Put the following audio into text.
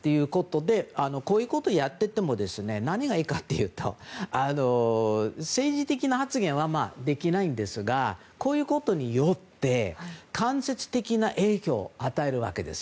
こういうことをやっていって何がいいかというと政治的な発言はできないんですがこういうことによって間接的な影響を与えるわけです。